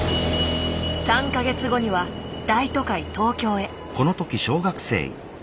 ３か月後には大都会・東京へ。